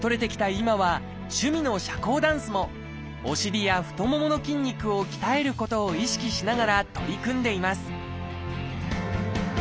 今は趣味の社交ダンスもお尻や太ももの筋肉を鍛えることを意識しながら取り組んでいます